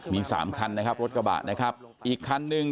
มีสามคันนะครับรถกระบะนะครับอีกคันหนึ่ง